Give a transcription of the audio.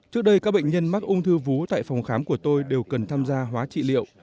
trước đây các bệnh nhân mắc ung thư vú tại phòng khám của tôi đều cần tham gia hóa trị liệu